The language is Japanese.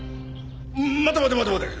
待て待て待て待て！